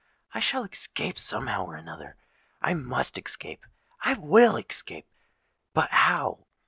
I shall escape somehow or another;—I must escape—I will escape! But how?